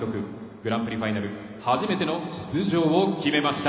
グランプリファイナル初めての出場を決めました。